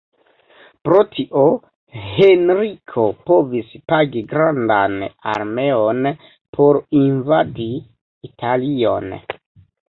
Pro tio Henriko povis pagi grandan armeon por invadi Italion.